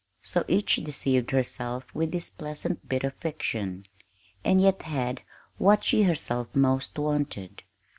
So each deceived herself with this pleasant bit of fiction, and yet had what she herself most wanted.